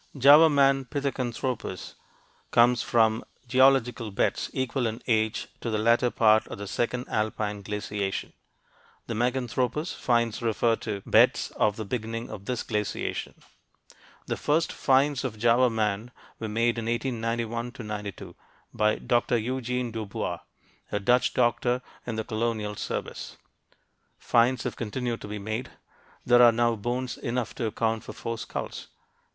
Java man, Pithecanthropus, comes from geological beds equal in age to the latter part of the second alpine glaciation; the Meganthropus finds refer to beds of the beginning of this glaciation. The first finds of Java man were made in 1891 92 by Dr. Eugene Dubois, a Dutch doctor in the colonial service. Finds have continued to be made. There are now bones enough to account for four skulls.